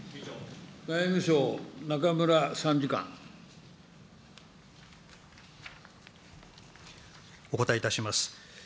外務省、お答えいたします。